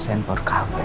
sambil nunggu kita